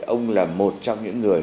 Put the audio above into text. ông là một trong những người